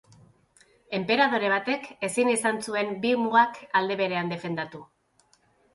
Enperadore batek ezin izan zuen bi mugak aldi berean defendatu.